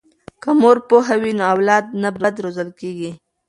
که مور پوهه وي نو اولاد نه بد روزل کیږي.